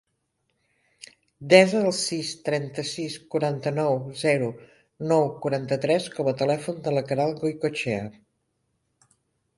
Desa el sis, trenta-sis, quaranta-nou, zero, nou, quaranta-tres com a telèfon de la Queralt Goicoechea.